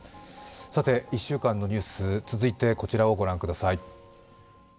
１週間のニュース、続いてこちらを御覧ください。